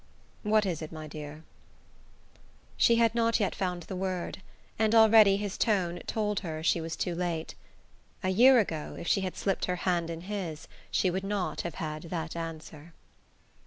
"What is it, my dear?" She had not yet found the word, and already his tone told her she was too late. A year ago, if she had slipped her hand in his, she would not have had that answer.